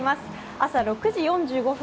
朝６時４５分